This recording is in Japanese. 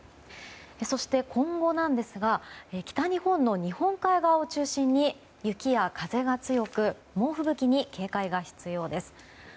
そして、今後ですが北日本の日本海側を中心に雪や風が強く猛吹雪に警戒が必要です。